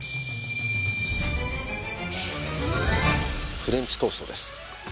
フレンチトーストです。